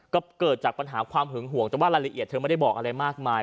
ก็เกิดจากปัญหาความหึงห่วงแต่ว่ารายละเอียดเธอไม่ได้บอกอะไรมากมาย